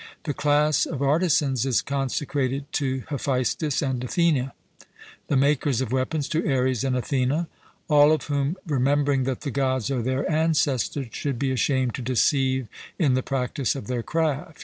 The class of artisans is consecrated to Hephaestus and Athene; the makers of weapons to Ares and Athene: all of whom, remembering that the Gods are their ancestors, should be ashamed to deceive in the practice of their craft.